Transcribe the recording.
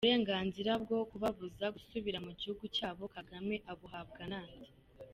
Uburenganzira bwo kubabuza gusubira mu gihugu cyabo, Kagame abuhabwa nande ?